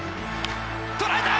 捉えた！